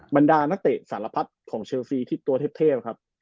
บรรดานักเตะสารพัดของเชลซีที่ตัวเทพครับ